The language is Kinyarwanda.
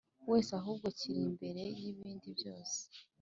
wese ahubwo kiri imbere yibindi byose